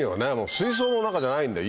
水槽の中じゃないんだよ。